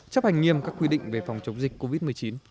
chấp hành nghiêm các quy định về phòng chống dịch covid một mươi chín